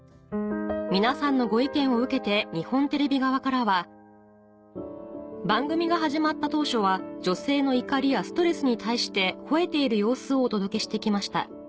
皆さんのご意見を受けて日本テレビ側からは「番組が始まった当初は女性の怒りやストレスに対して吠えている様子をお届けしてきました。